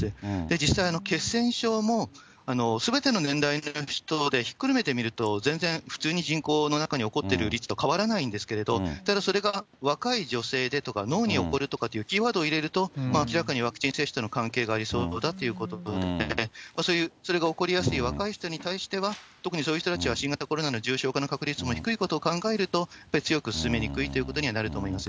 実際、血栓症も、すべての年代の人でひっくるめて見ると、全然普通に人口の中に起こっている率と変わらないんですけれど、ただそれが若い女性でとか、脳に起こるとかというキーワードを入れると、明らかにワクチン接種との関係がありそうだということで、それが起こりやすい若い人に対しては、特にそういう人たちは新型コロナの重症化のリスクも低いということを考えると、やっぱり強く勧めにくいということにはなると思います。